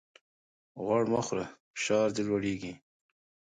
غوړ مه خوره ! فشار دي لوړېږي.